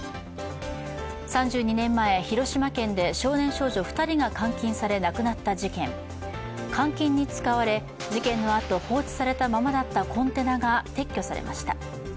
３２年前、広島県で少年少女２人が監禁され亡くなった事件、監禁に使われ事件のあと、放置されたままだったコンテナが撤去されました。